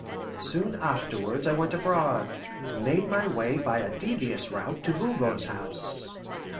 Soon afterwards I went abroad, and made my way by a devious route to Voban's house.